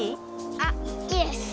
あいいです。